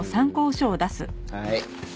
はい。